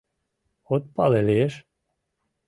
От пале лиеш.